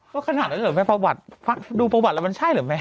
ก็ขนาดนั้นเหรอแม่ประวัติดูประวัติแล้วมันใช่หรือแม่